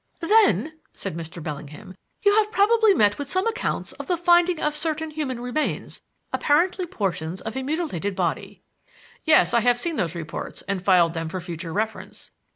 "Then," said Mr. Bellingham, "you have probably met with some accounts of the finding of certain human remains, apparently portions of a mutilated body." "Yes, I have seen those reports and filed them for future reference."